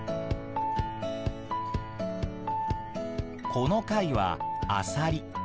この貝はアサリ。